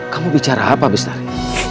kamu bicara apa lestari